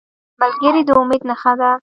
ملګری د امید نغمه ده